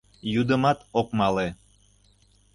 Йӱдымат ок мале.